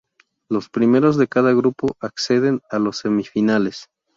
Los primeros de cada grupo acceden a las semifinales.